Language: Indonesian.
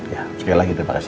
ya sekian lah gitu makasih ya